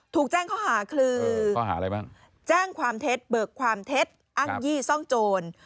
ถูกแจ้งข้อหาคือแจ้งความเท็จเบิกความเท็จอ้างยี่ซ่องโจร